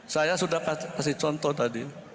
saya sudah kasih contoh tadi